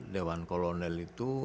dewan kolonel itu